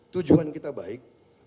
tujuan kita baik